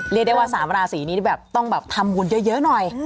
เรียกได้ว่า๓ราศีนี้แบบต้องแบบทำบุญเยอะหน่อย